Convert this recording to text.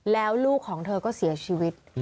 แล้วลูกของเธอก็เสียชีวิต